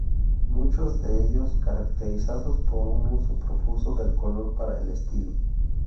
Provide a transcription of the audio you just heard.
Muchos de ellos caracterizados por un uso profuso del color para el estilo.